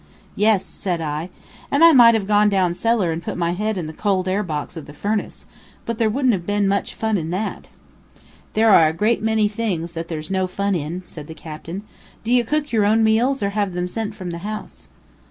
"Yes," said I, "and I might have gone down cellar and put my head in the cold air box of the furnace. But there wouldn't have been much fun in that." "There are a good many things that there's no fun in," said the captain. "Do you cook your own meals, or have them sent from the house?"